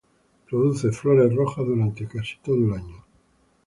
Produce flores rojas durante casi todo el año.